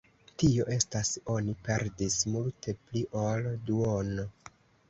Tio estas oni perdis multe pli ol duono.